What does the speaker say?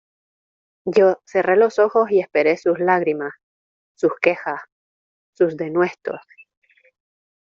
yo cerré los ojos y esperé sus lágrimas, sus quejas , sus denuestos